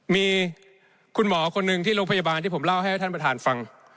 มีคุณหมอคนหนึ่งที่โรงพยาบาลที่ผมเล่าให้ท่านประธานฟัง